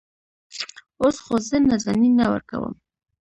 اوس خو زه نازنين نه ورکوم.